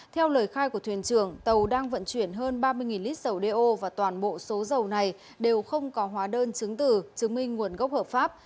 theo lời khai của thuyền trưởng tàu đang vận chuyển hơn ba mươi lít dầu đeo và toàn bộ số dầu này đều không có hóa đơn chứng tử chứng minh nguồn gốc hợp pháp